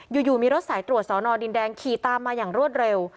อยู่มีรถสายตรวจสอนอดินแดงขี่ตามมาอย่างรวดเร็ว